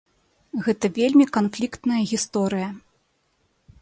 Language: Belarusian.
Гэта вельмі канфліктная гісторыя.